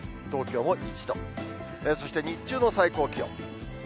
１度、そして日中の最高気温。